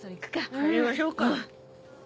帰りましょうか。